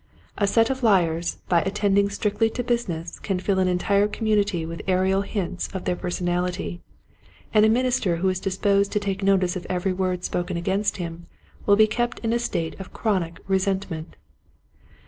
A set of Hars by attending strictly to busi ness can fill an entire community with aerial hints of their personality, and a minister who is disposed to take notice of every word spoken against him will be kept in a state of chronic resentment.